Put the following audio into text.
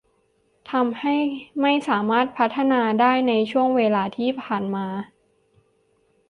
ทำให้ไม่สามารถพัฒนาได้ในช่วงเวลาที่ผ่านมา